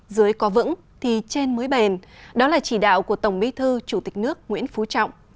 dưới có vững thì trên mới bền đó là chỉ đạo của tổng bí thư chủ tịch nước nguyễn phú trọng